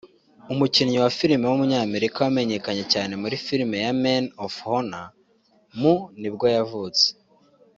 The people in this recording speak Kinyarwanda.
umukinnyi wa film w’umunyamerika wamenyekanye cyane muri film ya Men Of Honor mu nibwo yavutse